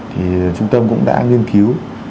trung tâm cũng đã nghiên cứu